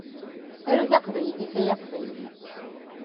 Aru taqbaylit, ay Aqbayli.